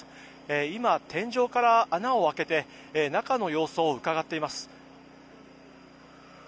今、天井から穴を開けて中の様子をうかがっています。